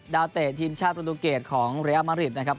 ดาวเตะทีมชาติประดูกเกษของเรียลมะริสนะครับ